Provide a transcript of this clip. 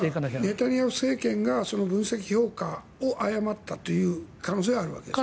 それはネタニヤフ政権が分析評価を誤った可能性があるわけですね。